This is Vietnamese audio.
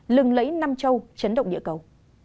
lừng lẫy năm châu chấn động địa cầu